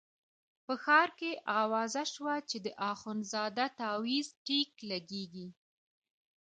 په ښار کې اوازه شوه چې د اخندزاده تاویز ټیک لګېږي.